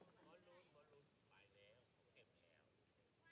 สวัสดีครับ